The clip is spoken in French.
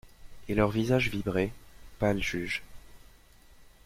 Et leurs visages vibraient, pâles juges.